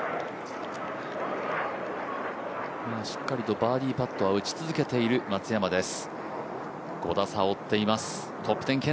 しっかりとバーディーパットは打ち続けている松山です。